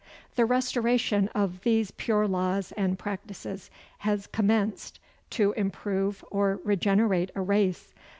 The restoration of these pure laws and practices has commenced to improve or regenerate a race.